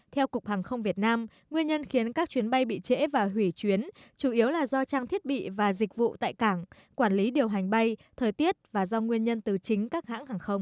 theo cục hàng không việt nam nguyên nhân khiến các chuyến bay bị trễ và hủy chuyến chủ yếu là do trang thiết bị và dịch vụ tại cảng quản lý điều hành bay thời tiết và do nguyên nhân từ chính các hãng hàng không